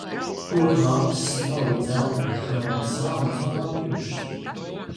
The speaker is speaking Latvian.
Koku lapas strauji dzeltē, lai gan salnas vēl nav bijušas.